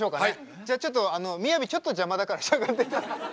じゃあちょっと雅ちょっと邪魔だからしゃがんでて。